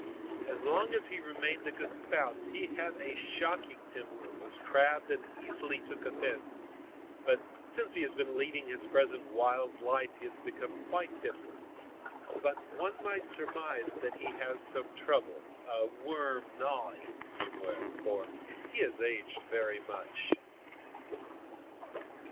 As long as he remained a good spouse he had a shocking temper, was crabbed and easily took offence, but since he has been leading his present wild life he has become quite different, But one might surmise that he has some trouble, a worm gnawing somewhere, for he has aged very much."